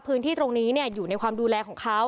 พื้นที่ตรงนี้อยู่ในความดูแลของเขา